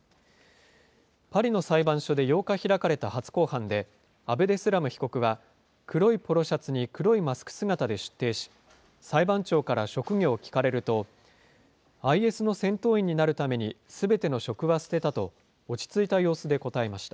パリの裁判所で８日開かれた初公判で、アブデスラム被告は、黒いポロシャツに黒いマスク姿で出廷し、裁判長から職業を聞かれると、ＩＳの戦闘員になるために、すべての職は捨てたと、落ち着いた様子で答えました。